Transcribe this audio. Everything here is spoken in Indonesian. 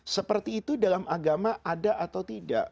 seperti itu dalam agama ada atau tidak